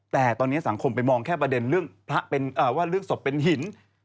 แต่ตอนนี้สระสงคลมไปมองแค่ประเด็นที่แพล่ะสบเป็นหิน